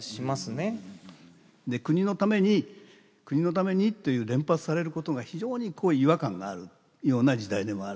「国のために国のために」という連発されることが非常に違和感があるような時代でもある。